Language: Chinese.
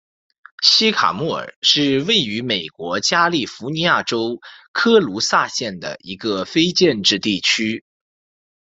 西卡莫尔是位于美国加利福尼亚州科卢萨县的一个非建制地区。